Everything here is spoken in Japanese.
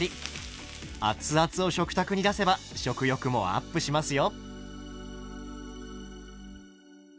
熱々を食卓に出せば食欲もアップしますよ。